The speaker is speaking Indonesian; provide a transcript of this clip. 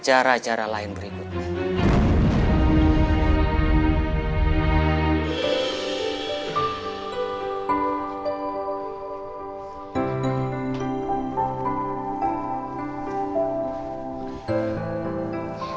cara cara lain berikutnya